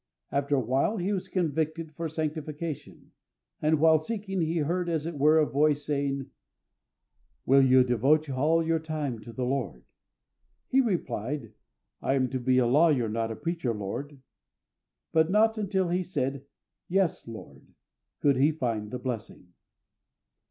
After a while he was convicted for sanctification, and while seeking he heard, as it were, a voice, saying, "Will you devote all your time to the Lord?" He replied: "I am to be a lawyer, not a preacher, Lord." But not until he had said, "Yes, Lord," could he find the blessing.